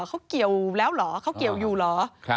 เขาเกี่ยวแล้วเหรอเขาเกี่ยวอยู่เหรอ